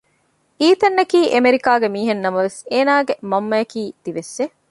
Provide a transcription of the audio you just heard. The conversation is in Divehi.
އީތަންއަކީ އެމެރިކާގެ މީހެއް ނަމަވެސް އޭނާގެ މަންމައަކީ ދިވެއްސެއް